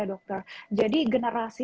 dokter jadi generasi